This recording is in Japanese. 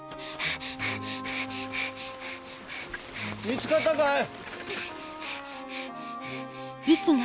見つかったかい？